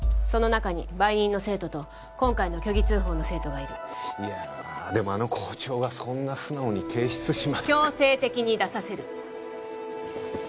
その中に売人の生徒と今回の虚偽通報の生徒がいるいやあでもあの校長がそんな素直に提出しますか強制的に出させる！